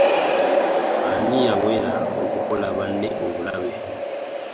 Ani yeewera okukola banne obulabe?